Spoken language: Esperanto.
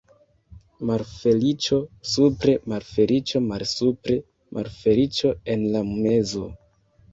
Malfeliĉo supre, malfeliĉo malsupre, malfeliĉo en la mezo.